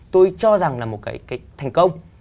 tôi cho rằng là một cái thành công